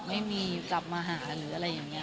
ไม่มีกลับมาหาหรืออะไรอย่างเนี่ยค่ะ